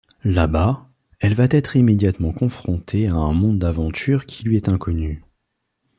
Là-bas, elle va être immédiatement confrontée à un monde d'aventures qui lui est inconnu.